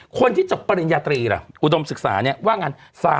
คนที่จบปริญญาตรีล่ะอุดมศึกษาเนี่ยว่างั้น